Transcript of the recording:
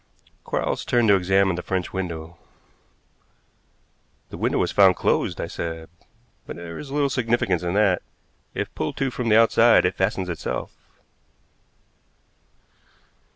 Quarles turned to examine the French window. "The window was found closed," I said, "but there is little significance in that. If pulled to from the outside it fastens itself.